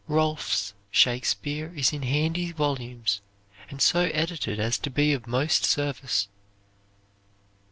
Rolfe's Shakespeare is in handy volumes, and so edited as to be of most service.